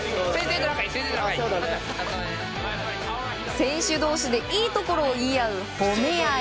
選手同士でいいところを言い合う褒め合い。